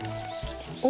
お！